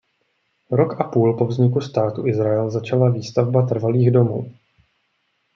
Rok a půl po vzniku státu Izrael začala výstavba trvalých domů.